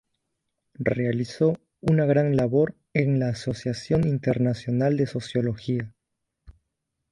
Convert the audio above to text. Realizó una gran labor en la Asociación Internacional de Sociología.